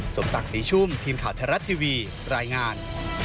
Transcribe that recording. สมศักดิ์ศรีชุ่มทีมข่าวไทยรัฐทีวีรายงาน